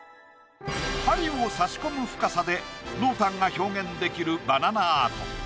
針を刺し込む深さで濃淡が表現できるバナナアート。